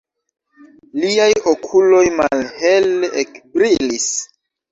Liaj okuloj malhele ekbrilis.